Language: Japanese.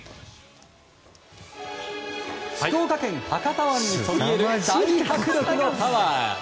福岡県博多湾にそびえる大迫力のタワー。